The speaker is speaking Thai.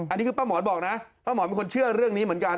อันนี้คือป้าหมอนบอกนะป้าหมอนเป็นคนเชื่อเรื่องนี้เหมือนกัน